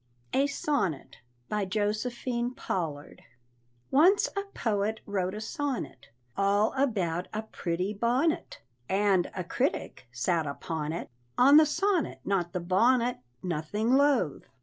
A SONNET. BY JOSEPHINE POLLARD. Once a poet wrote a sonnet All about a pretty bonnet, And a critic sat upon it (On the sonnet, Not the bonnet), Nothing loath.